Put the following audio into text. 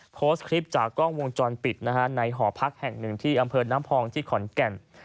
โพสต์คลิปจากกล้องวงจรปิดนะฮะในหอพักแห่งหนึ่งที่อำเภอน้ำพองที่ขอนแก่น